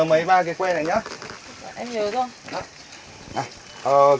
em nhớ luôn